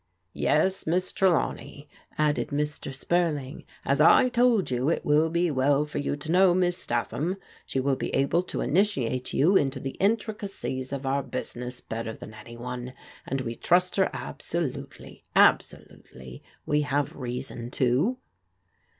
"Yes, Miss Trelawney," added Mr. Spurling, "as I told you, it will be well for you to know Miss Statham. She will be able to initiate you into the intricacies of our business better than any one, and we trust her absolutely, absolutely. We have reason to."